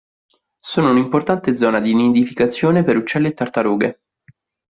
Sono un'importante zona di nidificazione per uccelli e tartarughe.